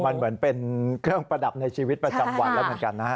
มันเหมือนเป็นเครื่องประดับในชีวิตประจำวันแล้วเหมือนกันนะฮะ